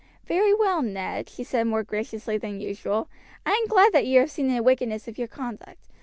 "Very well, Ned," she said more graciously than usual, "I am glad that you have seen the wickedness of your conduct.